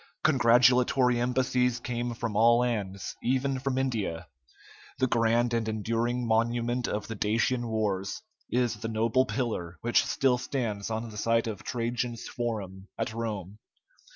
Congratulatory embassies came from all lands, even from India. The grand and enduring monument of the Dacian wars is the noble pillar which still stands on the site of Trajan's forum at Rome.